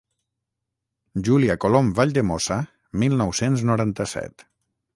Júlia Colom Valldemossa mil nou-cents noranta-set